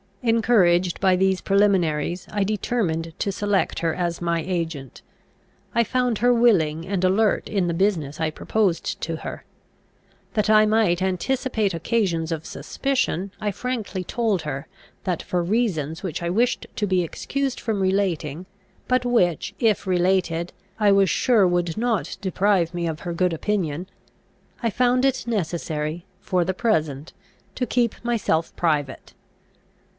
Encouraged by these preliminaries, I determined to select her as my agent. I found her willing and alert in the business I proposed to her. That I might anticipate occasions of suspicion, I frankly told her that, for reasons which I wished to be excused from relating, but which, if related, I was sure would not deprive me of her good opinion, I found it necessary, for the present, to keep myself private.